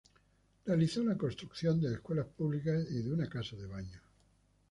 Realizó la construcción de escuelas públicas y de una casa de baños.